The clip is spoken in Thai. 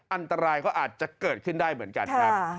อันตรายก็อาจจะเกิดขึ้นได้เหมือนกันครับ